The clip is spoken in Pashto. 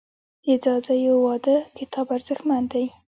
د ځاځیو واده کتاب ارزښتمن دی.